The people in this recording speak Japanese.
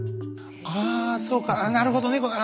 あそうかなるほど猫か。